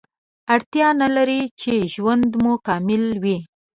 اړتیا نلري چې ژوند مو کامل وي